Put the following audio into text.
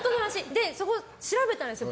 で、そこを調べたんですよ。